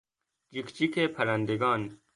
جیک جیک پرندگان